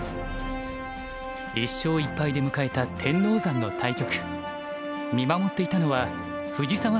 １勝１敗で迎えた天王山の対局。